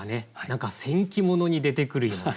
何か戦記物に出てくるような。